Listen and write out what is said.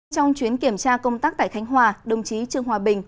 trong chuyến kiểm tra công tác tại khánh hòa đồng chí trương hòa bình